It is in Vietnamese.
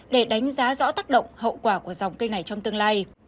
để đánh giá rõ tác động hậu quả của dòng cây này trong tương lai